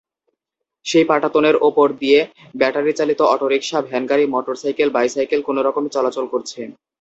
সেই পাটাতনের ওপর দিয়ে ব্যাটারিচালিত অটোরিকশা, ভ্যানগাড়ি, মোটরসাইকেল, বাইসাইকেল কোনোরকমে চলাচল করছে।